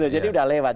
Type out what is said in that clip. jadi sudah lewat